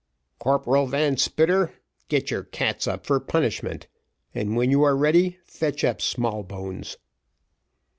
"Corporal Van Spitter, get your cats up for punishment, and when you are ready fetch up Smallbones."